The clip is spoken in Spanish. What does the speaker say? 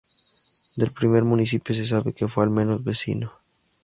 Del primer municipio se sabe que fue al menos vecino.